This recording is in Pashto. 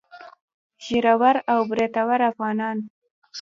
ږيره ور او برېتور افغانان.